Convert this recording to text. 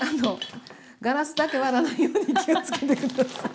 ガラスだけ割らないように気をつけて下さい。